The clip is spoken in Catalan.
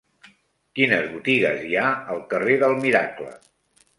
Quines botigues hi ha al carrer del Miracle?